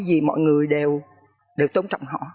vì mọi người đều tôn trọng họ